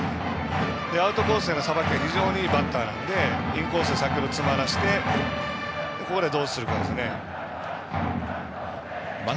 アウトコースのさばきが非常にいいバッターなのでインコース先程、詰まらせてここはどうするか。